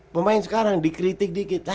pemain sekarang dikritik dikit